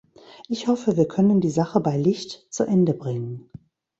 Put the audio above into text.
Ich hoffe, wir können die Sache bei Licht zu Ende bringen.